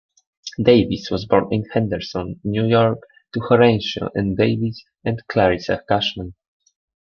Davis was born in Henderson, New York to Horatio N. Davis and Clarissa Cushman.